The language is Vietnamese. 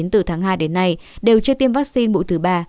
từ tháng hai đến nay đều chưa tiêm vaccine mũi thứ ba